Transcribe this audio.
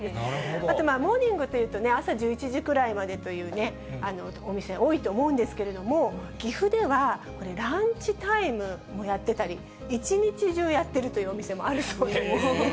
あと、モーニングというと、朝１１時くらいまでというお店、多いと思うんですけれども、岐阜では、ランチタイムもやってたり、一日中やってるというお店もあるそうなんですね。